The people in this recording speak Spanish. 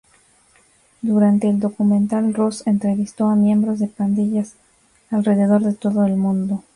Durante el documental Ross entrevistó a miembros de pandillas alrededor de todo el mundo.